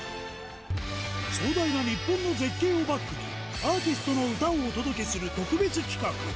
壮大な日本の絶景をバックに、アーティストの歌をお届けする特別企画。